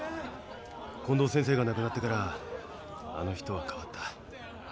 近藤先生が亡くなってからあの人は変わった。